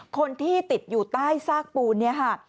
คนที่ติดอยู่ใต้ซากปูนนี้ค่ะ